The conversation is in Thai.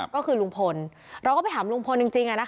ก็คือลุงพลเราก็ไปถามลุงพลจริง